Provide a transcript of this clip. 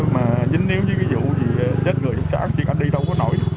mà dính yếu với cái vụ gì giết người cũng xác chứ anh đi đâu có nổi